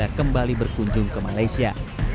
mereka kembali berkunjung ke malaysia